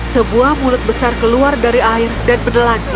sebuah mulut besar keluar dari air dan berdelan